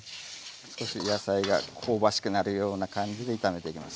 少し野菜が香ばしくなるような感じで炒めていきます。